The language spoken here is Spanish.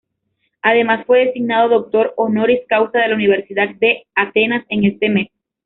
Además fue designado doctor honoris causa de la Universidad de Atenas en este mes.